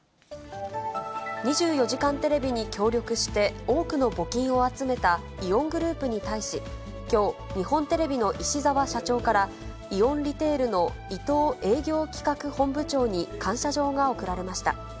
２４時間テレビに協力して多くの募金を集めたイオングループに対し、きょう、日本テレビの石澤社長から、イオンリテールの伊藤営業企画本部長に感謝状が贈られました。